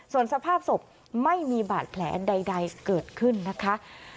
ส่วนสภาพศพไม่มีบาดแผลใดเกิดขึ้นนะคะ